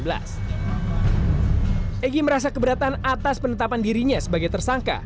egy merasa keberatan atas penetapan dirinya sebagai tersangka